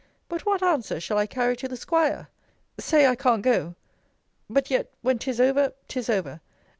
But what answer shall I carry to the 'squire? Say, I can't go! but yet when 'tis over, 'tis over!